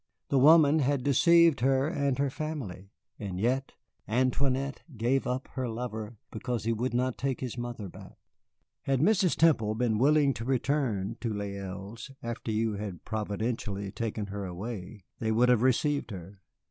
The woman had deceived her and her family, and yet Antoinette gave up her lover because he would not take his mother back. Had Mrs. Temple been willing to return to Les Îles after you had providentially taken her away, they would have received her.